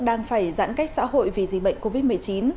đang phải giãn cách xã hội vì dịch bệnh covid một mươi chín